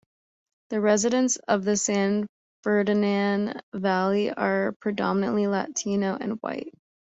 The residents of the San Fernando Valley are predominantly Latino and White.